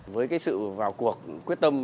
với sự vào cuộc quyết tâm